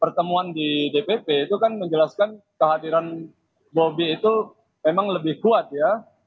pertemuan di dpp itu kan menjelaskan kehadiran bobi itu memang lebih kuat ya